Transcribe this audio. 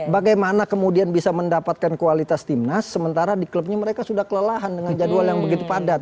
bagaimana kemudian bisa mendapatkan kualitas timnas sementara di klubnya mereka sudah kelelahan dengan jadwal yang begitu padat